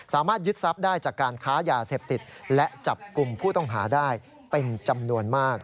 สามารถยึดทรัพย์ได้จากการค้ายาเสพติดและจับกลุ่มผู้ต้องหาได้เป็นจำนวนมาก